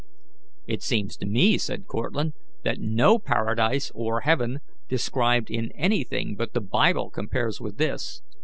"It seems to me," said Cortlandt, "that no paradise or heaven described in anything but the Bible compares with this.